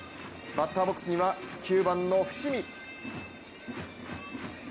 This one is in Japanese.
バッターボックスには９番の伏見。